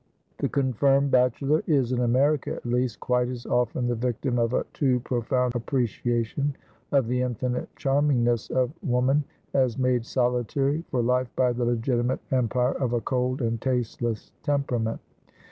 The confirmed bachelor is, in America, at least, quite as often the victim of a too profound appreciation of the infinite charmingness of woman, as made solitary for life by the legitimate empire of a cold and tasteless temperament.